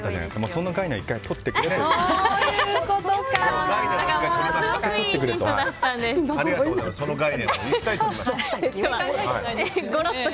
その概念を１回取ってくれと。